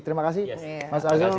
terima kasih mas arief